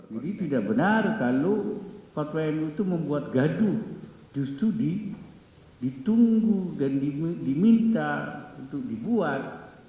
jadi tidak benar kalau fatwa mui itu membuat gaduh justru ditunggu dan diminta untuk dibuat